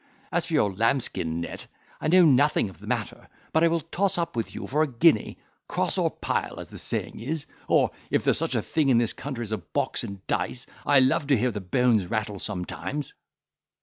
As for your lambskin net, I know nothing of the matter; but I will toss up with you for a guinea, cross or pile, as the saying is; or, if there's such a thing in this country as a box and dice, I love to hear the bones rattle sometimes."